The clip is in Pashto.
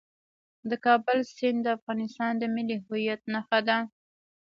د کابل سیند د افغانستان د ملي هویت نښه ده.